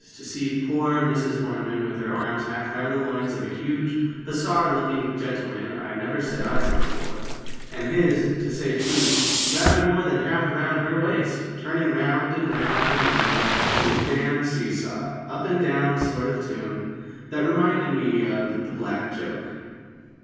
to see poor Mrs Hornem with her arms half round the loins of a huge hussar looking gentleman I never set eyes on before; and his, to say truth, rather more than half round her waist, turning round, and round, and round, to a d d see saw, up and down sort of tune, that reminded me of the "Black joke."